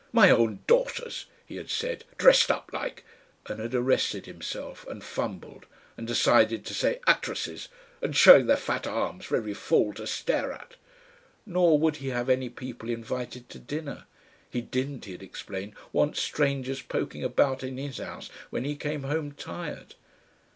"My own daughters!" he had said, "dressed up like " and had arrested himself and fumbled and decided to say "actresses, and showin' their fat arms for every fool to stare at!" Nor would he have any people invited to dinner. He didn't, he had explained, want strangers poking about in his house when he came home tired.